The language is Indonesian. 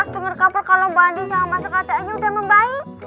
denger kapal kalau mbak andi sama sekatnya udah membaik